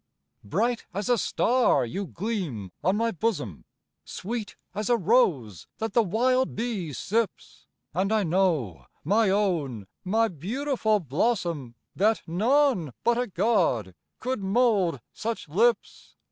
Bright as a star you gleam on my bosom, Sweet as a rose that the wild bee sips; And I know, my own, my beautiful blossom, That none but a God could mould such lips.